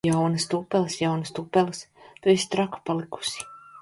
Jaunas tupeles! Jaunas tupeles! Tu esi traka palikusi!